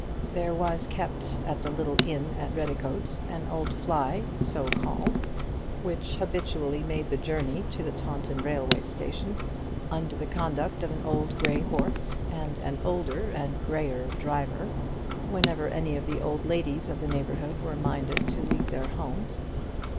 There was kept at the little inn at Redicote an old fly so called which habitually made the journey to the Taunton railway station, under the conduct of an old grey horse and an older and greyer driver, whenever any of the old ladies of the neighbourhood were minded to leave their homes.